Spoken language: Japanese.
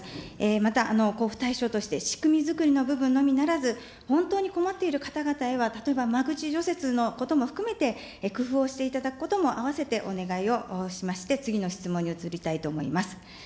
また交付対象として、仕組み作りの部分のみならず、本当に困っている方々へは、例えば間口除雪のことも含めて、工夫をしていただくこともあわせてお願いをしまして、次の質問に移りたいと思います。